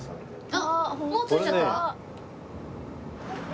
あっもう着いちゃった？